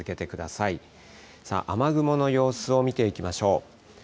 さあ、雨雲の様子を見ていきましょう。